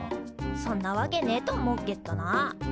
そんなわけねえと思うけっどな。